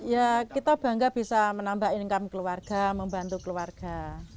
ya kita bangga bisa menambah income keluarga membantu keluarga